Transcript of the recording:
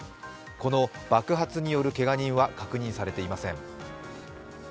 この爆発によるけが人は確認されていません。